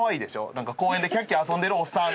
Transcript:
なんか公園でキャッキャ遊んでるおっさん。